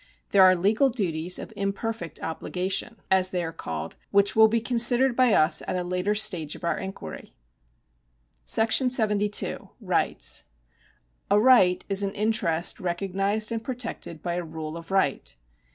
There are legal duties of imperfect obligation, as they are §71] LEGAL RIGHTS 181 called, which will be considered by us at a later stage of our inquiry. § 72. Rights. A right is an interest recognised and protected by a rule of right.